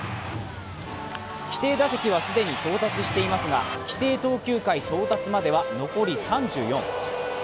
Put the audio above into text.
規定打席は既に到達していますが、規定投球回到達までは残り３４。